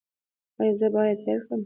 ایا زه باید هیر کړم؟